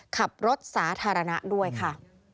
ขับรถสาธารณะด้วยค่ะ